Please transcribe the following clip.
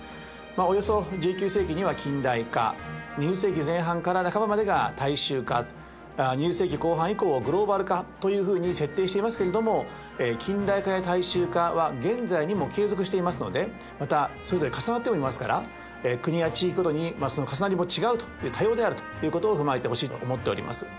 およそ１９世紀には近代化２０世紀前半から半ばまでが大衆化２０世紀後半以降をグローバル化というふうに設定していますけれども近代化や大衆化は現在にも継続していますのでまたそれぞれ重なってもいますから国や地域ごとにその重なりも違うと多様であるということを踏まえてほしいと思っております。